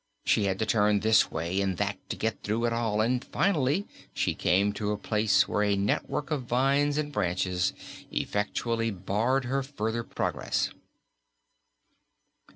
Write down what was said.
She had to turn this way and that to get through at all, and finally she came to a place where a network of vines and branches effectually barred her farther progress.